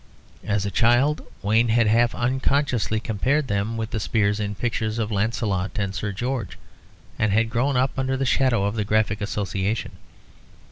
As a child, Wayne had half unconsciously compared them with the spears in pictures of Lancelot and St. George, and had grown up under the shadow of the graphic association.